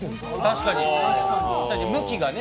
確かに、向きがね。